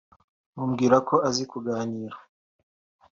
mubwira ko azi kuganira